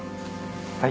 はい。